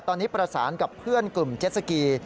ตอนนี้ประสานกับเพื่อนกลุ่มเจ็ดสกี